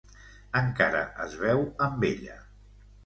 Encara es veu amb ella.